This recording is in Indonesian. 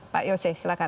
pak yose silakan